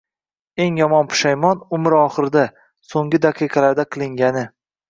Eng yomon pushaymon – umr oxirida, so‘nggi daqiqalarda qilingani.